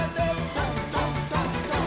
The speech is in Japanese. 「どんどんどんどん」